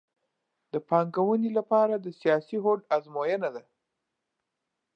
د پانګونې لپاره د سیاسي هوډ ازموینه ده